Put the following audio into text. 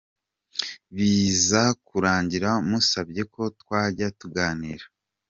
Biza kurangira musabye ko twajya tuganira.